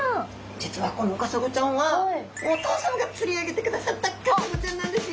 実はこのカサゴちゃんはお父さまが釣り上げてくださったカサゴちゃんなんですよ。